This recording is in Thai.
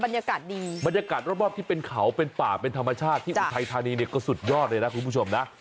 บรรยากาศดีบรรยากาศรอบที่เป็นเขาเป็นป่าเป็นธรรมชาติที่อุทัยธานีเนี่ยก็สุดยอดเลยนะคุณผู้ชมนะ